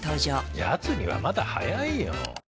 やつにはまだ早いよ。